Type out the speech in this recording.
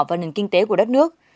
vào nền kinh tế của đất nước